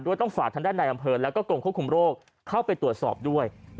ต้องฝากทางด้านในอำเภอแล้วก็กรมควบคุมโรคเข้าไปตรวจสอบด้วย